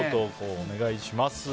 お願いします。